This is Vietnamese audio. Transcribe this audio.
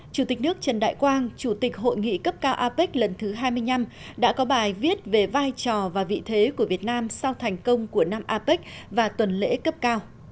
chủ tịch nước trần đại quang chủ tịch hội nghị cấp cao apec lần thứ hai mươi năm đã có bài viết về vai trò và vị thế của việt nam sau thành công của năm apec